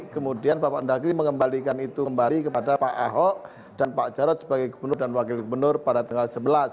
kemudian bapak mendagri mengembalikan itu kembali kepada pak ahok dan pak jarod sebagai gubernur dan wakil gubernur pada tanggal sebelas